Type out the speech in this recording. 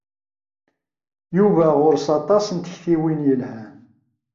Yuba ɣuṛ-s aṭas n tektiwin yelhan.